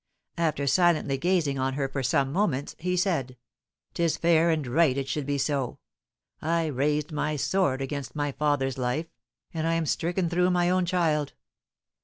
After silently gazing on her for some moments, he said: "'Tis fair and right it should be so! I raised my sword against my father's life, and I am stricken through my own child!